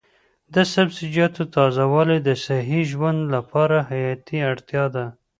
د سبزیجاتو تازه والي د صحي ژوند لپاره حیاتي اړتیا ده.